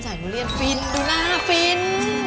ฟินดูน่าฟิน